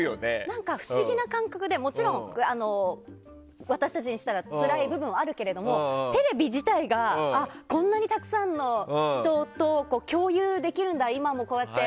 何か不思議な感覚でもちろん私たちにしたらつらい部分はあるけれどもテレビ自体がこんなにたくさんの人と今もこうやって共有できるんだって。